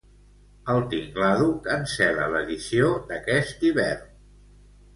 El Tingladu cancel·la l'edició d'aquest hivern.